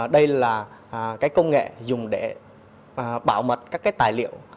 đây là cái công nghệ dùng để bảo mật các cái tài liệu